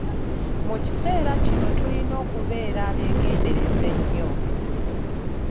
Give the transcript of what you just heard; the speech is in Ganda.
Mu kiseera kino tulina okubeera abeegendereza ennyo.